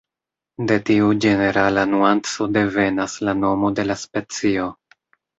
De tiu ĝenerala nuanco devenas la nomo de la specio.